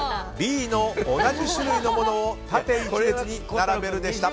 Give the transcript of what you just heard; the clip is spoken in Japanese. Ｂの同じ種類のものを縦１列に並べるでした。